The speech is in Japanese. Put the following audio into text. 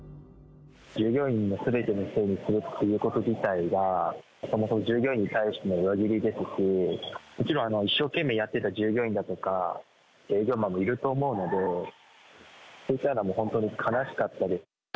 従業員のすべてのせいにするということ自体が、そもそも従業員に対しての裏切りですし、もちろん、一生懸命やってた従業員だとか、営業マンもいると思うので、本当に悲しかったです。